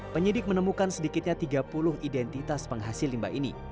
penyidik menemukan sedikitnya tiga puluh identitas penghasil limbah ini